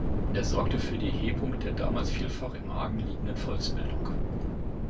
Er sorgte für die Hebung der damals vielfach im Argen liegenden Volksbildung.